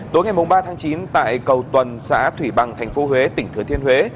tối ngày ba tháng chín tại cầu tuần xã thủy bằng tp huế tỉnh thừa thiên huế